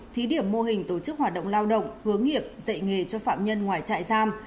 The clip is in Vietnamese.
thí điểm mô hình tổ chức hoạt động lao động hướng nghiệp dạy nghề cho phạm nhân ngoài trại giam